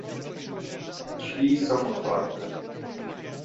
Drzwi są otwarte